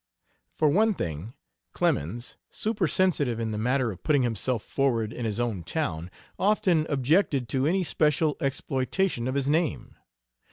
For one thing, Clemens, supersensitive in the matter of putting himself forward in his own town, often objected to any special exploitation of his name.